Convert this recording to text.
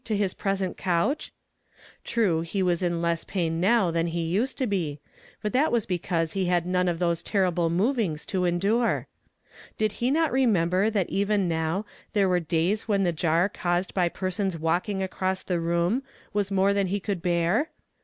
to liis j)resent couch? ''J'ruf, he was in ii ss pai'i now than he used to ]x', but thiit was Ikk uusc he lunl none of those terrible movings to endun . Did Ik; not re memljer that even now theie wert days wlien the jar caused by pei'sons walking across tlie room was more than he could bear?